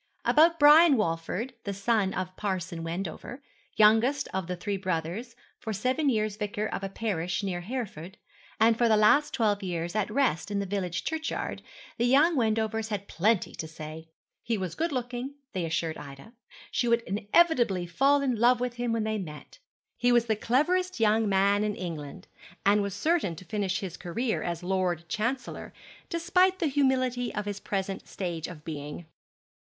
About Brian Walford, the son of Parson Wendover, youngest of the three brothers, for seven years vicar of a parish near Hereford, and for the last twelve years at rest in the village churchyard, the young Wendovers had plenty to say. He was good looking, they assured Ida. She would inevitably fall in love with him when they met. He was the cleverest young man in England, and was certain to finish his career as Lord Chancellor, despite the humility of his present stage of being.